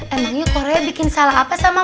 emang ini korea bikin salah apa sama mams